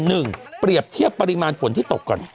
เปรียบเทียบปริมาณฝนที่ตกก่อน